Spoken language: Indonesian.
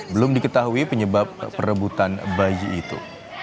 belum diketahui penyebab perebutan bayi itu